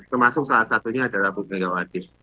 termasuk salah satunya adalah buknegawati